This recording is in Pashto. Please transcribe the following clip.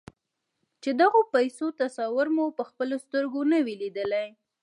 چې د غو پيسو تصور مو پهخپلو سترګو نه وي ليدلی.